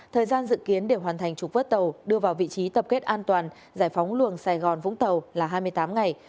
thời gian dự kiến để hoàn thành trục vớt tàu đưa vào vị trí tập kết an toàn giải phóng luồng sài gòn vũng tàu là hai mươi tám ngày